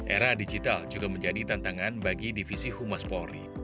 era digital juga menjadi tantangan bagi divisi humas polri